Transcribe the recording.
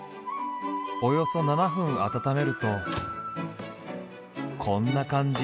およそ７分温めるとこんな感じ。